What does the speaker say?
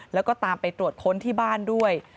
แล้วก็ตามไปตรวจค้นที่บ้านด้วย